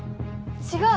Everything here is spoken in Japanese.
違う！